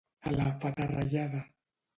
A la petarrellada.